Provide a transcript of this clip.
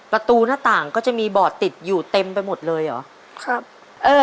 ประตูหน้าต่างก็จะมีบ่อติดอยู่เต็มไปหมดเลยเหรอครับเออ